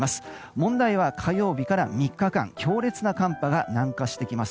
問題は火曜日から３日間強烈な寒波が南下してきます。